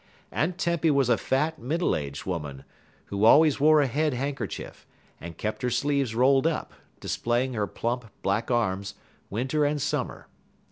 Aunt Tempy was a fat, middle aged woman, who always wore a head handkerchief, and kept her sleeves rolled up, displaying her plump, black arms, winter and summer.